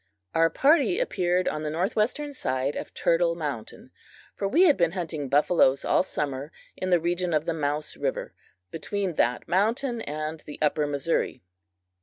Our party appeared on the northwestern side of Turtle mountain; for we had been hunting buffaloes all summer, in the region of the Mouse river, between that mountain and the upper Missouri.